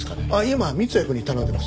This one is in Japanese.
今三ツ矢くんに頼んでます。